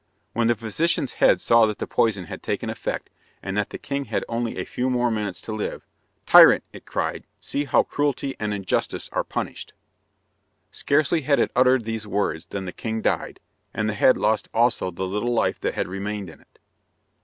When the physician's head saw that the poison had taken effect, and that the king had only a few more minutes to live, "Tyrant," it cried, "see how cruelty and injustice are punished." Scarcely had it uttered these words than the king died, and the head lost also the little life that had remained in it.